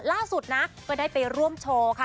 ล่าสุดนะก็ได้ไปร่วมโชว์ค่ะ